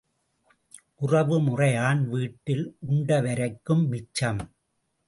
உறவு முறையான் வீட்டில் உண்ட வரைக்கும் மிச்சம்.